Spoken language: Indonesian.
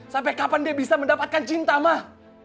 sampai kapan dia bisa mendapatkan cinta mah